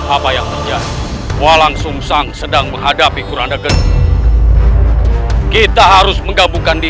apa yang terjadi walangsungsa sedang menghadapi kuranda geng kita harus menggabungkan dini